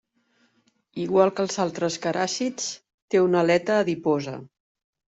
Igual que els altres caràcids, té una aleta adiposa.